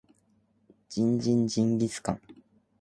ジンジンジンギスカン